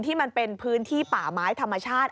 ที่มันเป็นพื้นที่ป่าไม้ธรรมชาติ